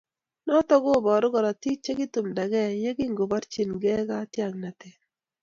Notok kobooru korotiik chekitumdage ye kingeborchinigei katyaknatet.